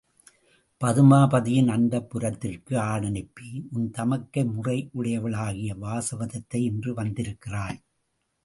பதுமாபதியின் அந்தப்புரத்திற்கு ஆளனுப்பி, உன் தமக்கை முறையுடையவளாகிய வாசவதத்தை இன்று வந்திருக்கிறாள்!